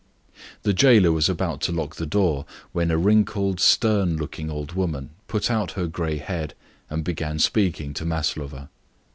The jailer was about to lock the door when a wrinkled and severe looking old woman put out her grey head and began speaking to Maslova.